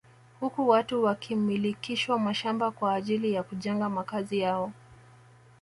Huku watu wakimilikishwa mashamba kwa ajili ya kujenga makazi yao